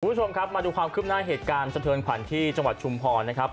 คุณผู้ชมครับมาดูความคืบหน้าเหตุการณ์สะเทินขวัญที่จังหวัดชุมพรนะครับ